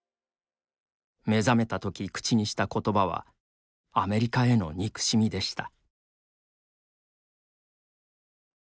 目覚めたとき口にしたことばはアメリカへの憎しみでした。